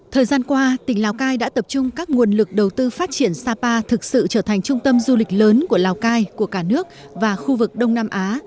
thời gian qua tỉnh lào cai đã tập trung các nguồn lực đầu tư phát triển sapa thực sự trở thành trung tâm du lịch lớn của lào cai của cả nước và khu vực đông nam á